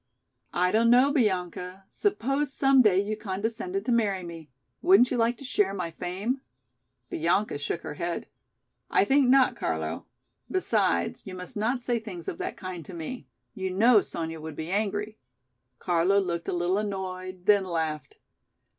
"I don't know, Bianca, suppose some day you condescended to marry me. Wouldn't you like to share my fame?" Bianca shook her head. "I think not, Carlo. Besides, you must not say things of that kind to me. You know Sonya would be angry." Carlo looked a little annoyed, then laughed.